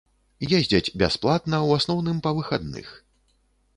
Ездзяць бясплатна, у асноўным, па выхадных.